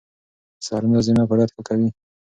سهارنۍ د هاضمې فعالیت ښه کوي.